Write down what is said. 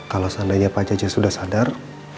kalau seandainya pak jajan sudah sadar